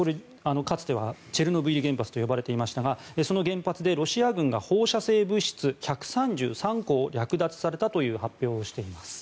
かつてはチェルノブイリ原発と呼ばれていましたがその原発でロシア軍が放射性物質１３３個を略奪されたという発表をしています。